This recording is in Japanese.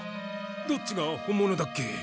どっちが本物だっけ？